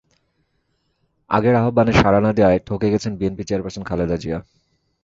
আগের আহ্বানে সাড়া না দেওয়ায় ঠকে গেছেন বিএনপি চেয়ারপারসন খালেদা জিয়া।